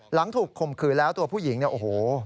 หลังถูกคมขืนแล้วตัวผู้หญิงโอ้โห